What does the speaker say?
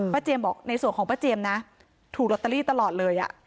เจียมบอกในส่วนของป้าเจียมนะถูกลอตเตอรี่ตลอดเลย